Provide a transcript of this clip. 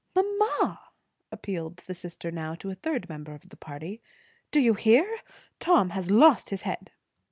"Mamma!" appealed the sister now to a third member of the party, "do you hear? Tom has lost his head."